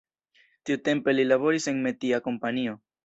Tiutempe li laboris en metia kompanio.